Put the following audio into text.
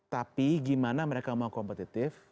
tapi gimana mereka mau kompetitif